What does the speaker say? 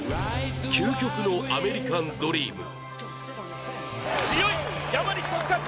究極のアメリカンドリーム。